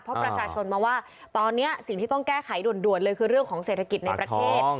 เพราะประชาชนมองว่าตอนนี้สิ่งที่ต้องแก้ไขด่วนเลยคือเรื่องของเศรษฐกิจในประเทศ